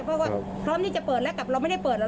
เพราะว่าพร้อมที่จะเปิดแล้วกับเราไม่ได้เปิดแล้ว